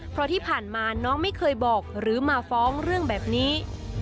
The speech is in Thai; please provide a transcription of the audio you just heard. เพราะที่ผ่านมาน้องไม่เคยบอกหรือมาฟ้องเรื่องแบบนี้